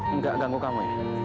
enggak ganggu kamu ya